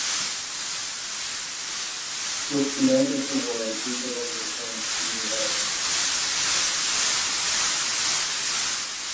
With the end of the war Doolittle returned to New Haven.